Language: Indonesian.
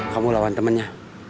kamu lawan temennya